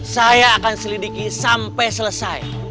saya akan selidiki sampai selesai